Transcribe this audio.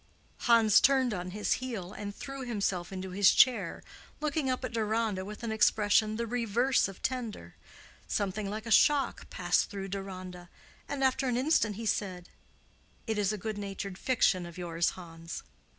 Hans turned on his heel and threw himself into his chair, looking up at Deronda with an expression the reverse of tender. Something like a shock passed through Deronda, and, after an instant, he said, "It is a good natured fiction of yours, Hans."